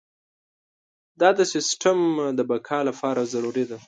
دا د سیستم د بقا لپاره ضروري ده.